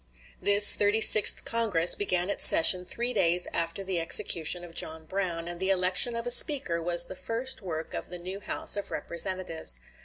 This Thirty sixth Congress began its session three days after the execution of John Brown, and the election of a Speaker was the first work of the new House of Representatives.